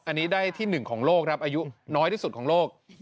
อันนี้ได้ที่๑ของโลกครับอายุน้อยที่สุดของโลก